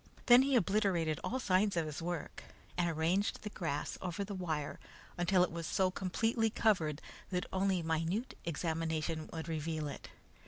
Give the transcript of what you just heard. Then he obliterated all signs of his work, and arranged the grass over the wire until it was so completely covered that only minute examination would reveal it.